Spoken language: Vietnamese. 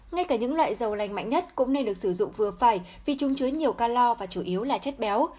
ngay cả những loại dầu lành mạnh nhất cũng nên được sử dụng vừa phải vì chúng chứa nhiều calor và chủ yếu là chất béo